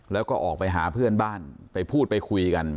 แล้วก็ออกไปหาเพื่อนบ้านไปพูดไปคุยกัน